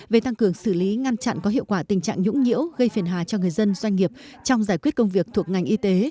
về tăng cường xử lý ngăn chặn có hiệu quả tình trạng nhũng nhiễu gây phiền hà cho người dân doanh nghiệp trong giải quyết công việc thuộc ngành y tế